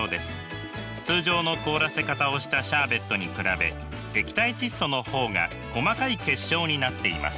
通常の凍らせ方をしたシャーベットに比べ液体窒素の方が細かい結晶になっています。